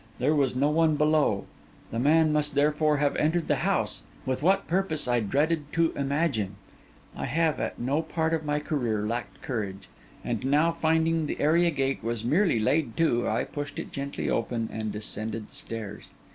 There was no one below; the man must therefore have entered the house, with what purpose I dreaded to imagine. I have at no part of my career lacked courage; and now, finding the area gate was merely laid to, I pushed it gently open and descended the stairs.